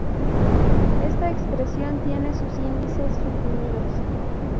Esta expresión tiene sus índices suprimidos.